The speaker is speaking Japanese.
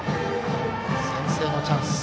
先制のチャンス